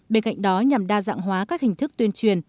bên cạnh đó nhằm đa dạng hóa các hình thức tuyên truyền